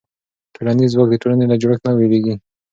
ټولنیز ځواک د ټولنې له جوړښت نه بېلېږي.